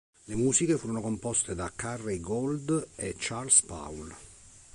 Le musiche furono composte da Carey Gold e Charles Paul.